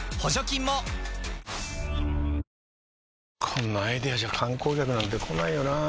こんなアイデアじゃ観光客なんて来ないよなあ